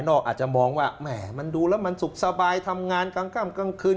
อาจจะมองว่าแหม่มันดูแล้วมันสุขสบายทำงานกลางค่ำกลางคืน